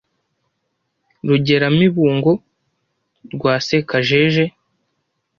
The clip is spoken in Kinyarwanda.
rugeramibungo rwa sekajeje